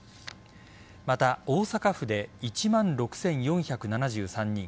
また、大阪府で１万６４７３人